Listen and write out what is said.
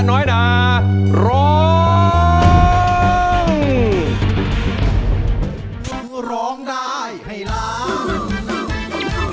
นั่งดูโทรธรรมที่บ้านครับนั่งดูโทรธรรมที่บ้านครับ